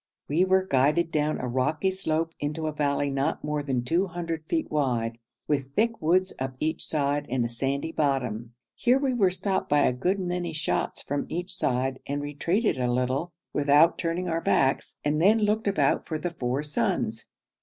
We were guided down a rocky slope into a valley not more than 200 feet wide, with thick woods up each side, and a sandy bottom. Here we were stopped by a good many shots from each side, and retreated a little, without turning our backs, and then looked about for the four sons.